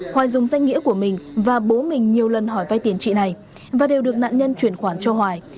hoài dùng danh nghĩa của mình và bố mình nhiều lần hỏi vay tiền trị này và đều được nạn nhân chuyển khoản cho hoài